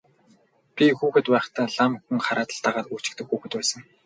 Би хүүхэд байхдаа лам хүн хараад л дагаад гүйчихдэг хүүхэд байсан.